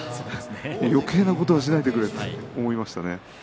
よけいなことはしないでくれと思いましたね。